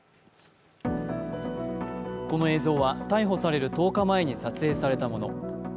この映像は逮捕される１０日前に撮影されたもの。